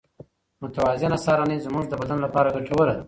متوازنه سهارنۍ زموږ د بدن لپاره ګټوره ده.